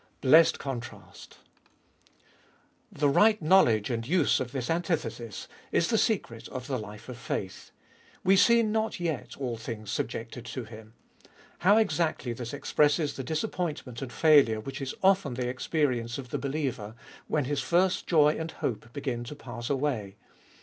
Blessed contrast ! The right knowledge and use of this antithesis is the secret of the life of faith. We see not yet all things subjected to Him — how exactly this expresses the disappointment and failure which is often the experience of the believer when his 76 trbe Iboliest of ail first joy and hope begin to pass away.